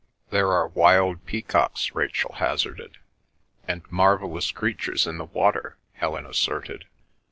"There are wild peacocks," Rachel hazarded. "And marvellous creatures in the water," Helen asserted.